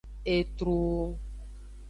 Etru.